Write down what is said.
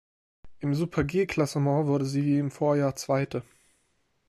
Im Super-G-Klassement wurde sie wie im Vorjahr Zweite.